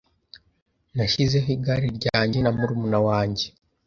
Nashizeho igare ryanjye na murumuna wanjye .